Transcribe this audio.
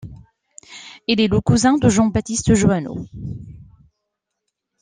Il est le cousin de Jean-Baptiste Johannot.